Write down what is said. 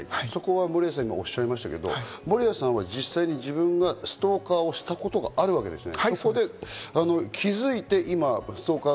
守屋さん、そこをおっしゃいましたが守屋さんは実際に自分がストーカーをしたことがあるわけですね。